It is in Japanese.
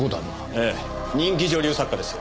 ええ人気女流作家ですよ。